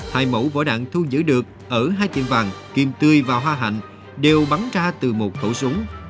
hai mẫu vỏ đạn thu giữ được ở hai tiệm vạn kiềm tươi và hoa hạnh đều bắn ra từ một thổ súng